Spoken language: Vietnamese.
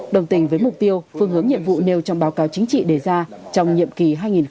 đồng tình với mục tiêu phương hướng nhiệm vụ nêu trong báo cáo chính trị đề ra trong nhiệm kỳ hai nghìn hai mươi hai nghìn hai mươi năm